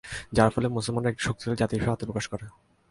যার ফলে মুসলমানরা একটি শক্তিশালী জাতি হিসেবে আত্মপ্রকাশ করে।